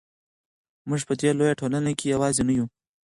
موږ په دې لویه ټولنه کې یوازې نه یو.